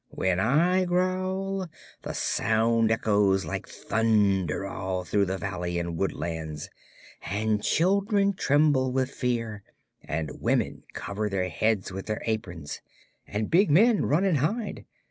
"When I growl, the sound echoes like thunder all through the valleys and woodlands, and children tremble with fear, and women cover their heads with their aprons, and big men run and hide.